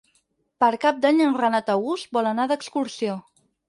Per Cap d'Any en Renat August vol anar d'excursió.